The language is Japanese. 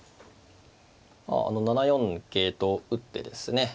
７四桂と打ってですね